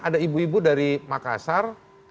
ada ibu ibu dari makassar